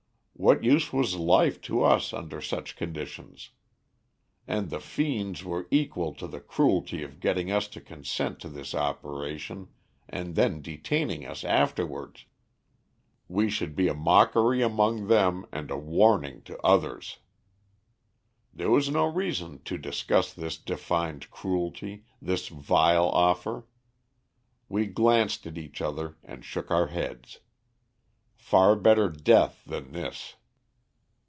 What use was life to us under such conditions! And the fiends were equal to the cruelty of getting us to consent to this operation and then detaining us afterwards. We should be a mockery among them and a warning to others. "There was no reason to discuss this defined cruelty, this vile offer. We glanced at each other and shook our heads. Far better death than this.